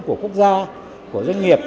của quốc gia của doanh nghiệp